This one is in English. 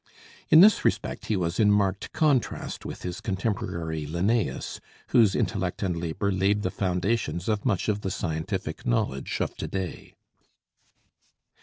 In this respect he was in marked contrast with his contemporary Linnæus, whose intellect and labor laid the foundations of much of the scientific knowledge of to day.